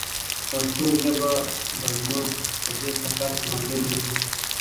پښتو ژبه به زموږ په دې سفر کې ملګرې وي.